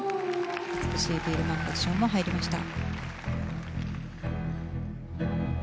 美しいビールマンポジションも入りました。